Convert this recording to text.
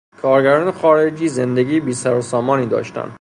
کارگران خارجی زندگی بی سر و سامانی داشتند.